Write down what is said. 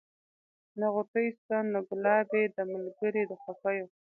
نه غوټۍ سته نه ګلاب یې دی ملګری د خوښیو